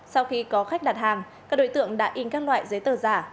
sau khi có khách đặt hàng các đối tượng đã in các loại giấy tờ giả